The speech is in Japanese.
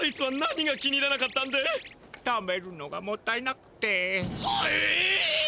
食べるのがもったいなくて。はえっ！